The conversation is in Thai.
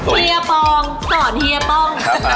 เฮียปองสอนเฮียป้อง